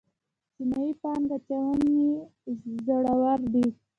چینايي پانګه اچوونکي زړور دي.